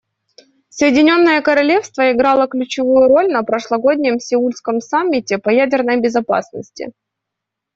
Соединенное Королевство играло ключевую роль на прошлогоднем сеульском саммите по ядерной безопасности.